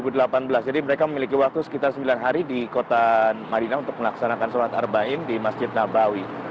jadi mereka memiliki waktu sekitar sembilan hari di kota madinah untuk melaksanakan sholat arbaim di masjid nabawi